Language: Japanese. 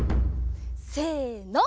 せの。